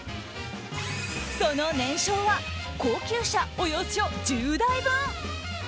その年商は高級車およそ１０台分。